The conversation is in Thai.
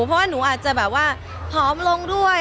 เพราะว่าหนูอาจจะแบบว่าผอมลงด้วย